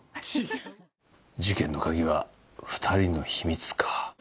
事件の鍵は２人の秘密か。